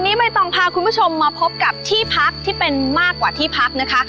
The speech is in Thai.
วันนี้ใบตองพาคุณผู้ชมมาพบกับที่พักที่เป็นมากกว่าที่พักนะคะ